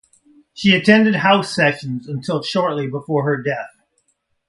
She attended House sessions until shortly before her death.